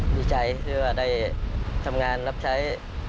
ดีใจเพื่อได้ทำงานรับใช้